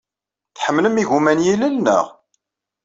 Tḥemmlem igumma n yilel, naɣ?